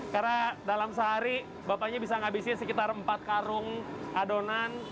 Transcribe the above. karena dalam sehari bapaknya bisa ngabisin sekitar empat karung adonan